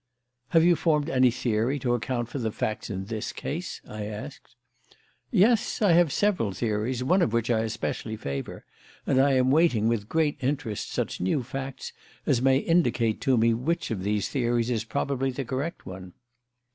"Have you formed any theory to account for the facts in this case?" I asked. "Yes; I have several theories, one of which I especially favour, and I am waiting with great interest such new facts as may indicate to me which of these theories is probably the correct one."